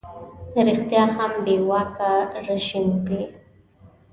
ریشتیا هم بې واکه رژیم وي.